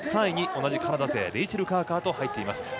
３位に同じカナダ勢レイチェル・カーカーと入っています。